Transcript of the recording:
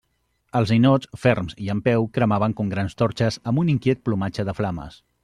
Els ninots ferms i en peu cremaven com grans torxes amb un inquiet plomatge de flames.